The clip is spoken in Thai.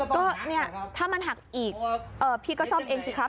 ก็เนี่ยถ้ามันหักอีกพี่ก็ซ่อมเองสิครับ